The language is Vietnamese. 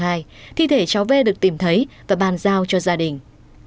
các bạn có thể nhìn thấy và bàn giao cho gia đình